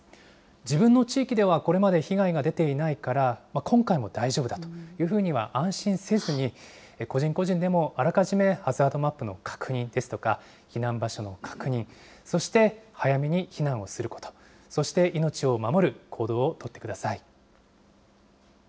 自分の地域ではこれまで被害が出ていないから、今回も大丈夫だというふうには安心せずに、個人個人でもあらかじめハザードマップの確認ですとか、避難場所の確認、そして早めに避難をすること、そして命を守る行動を取ってください。